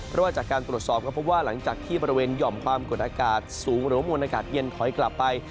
เพราะว่าจากการตรวจสอบก็พบว่าหลังจากที่บริเวณหย่อมความกดอากาศสูงหรือว่ามวลอากาศเย็นถอยกลับไป